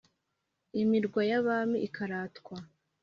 - imirwa y'abami ikaratwa;